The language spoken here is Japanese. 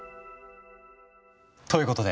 ということで！